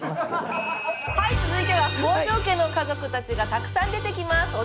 はい続いては北条家の家族たちがたくさん出てきます！